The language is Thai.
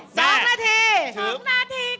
สองนาทีค่ะ